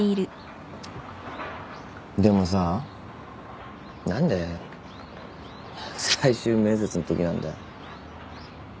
でもさ何で最終面接のときなんだよ。